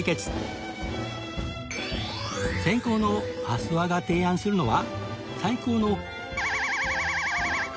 先攻の阿諏訪が提案するのは